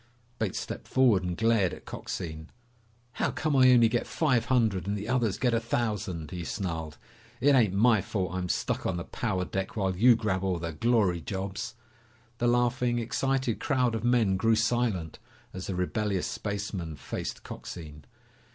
Bates stepped forward and glared at Coxine. "How come I only get five hundred and the others get a thousand?" he snarled. "It ain't my fault I'm stuck on the power deck while you grab all the glory jobs!" The laughing, excited crowd of men grew silent as the rebellious spaceman faced Coxine.